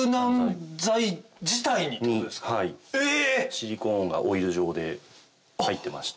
シリコーンがオイル状で入ってまして。